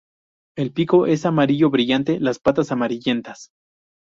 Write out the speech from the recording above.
El pico es amarillo brillante; las patas amarillentas.